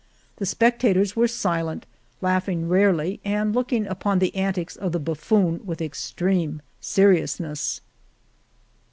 The specta tors were silent, laughing rarely, and looking upon the antics of the buffoon with extreme seriousness.